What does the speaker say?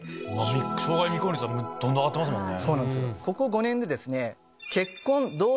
生涯未婚率はどんどん上がってますもんね。